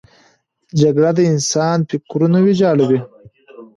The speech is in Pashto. جګړه د انسان فکرونه ویجاړوي